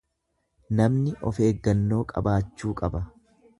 Namni of eeggannoo qabaachuu qaba.